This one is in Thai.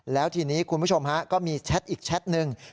แล้วทีนี้คุณผู้ชมฮะก็มีแชทอีกแชทหนึ่ง